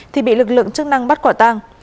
thì bị lực lượng chức năng bắt quả tăng